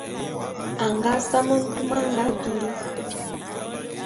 A nga same ntume a nga bili.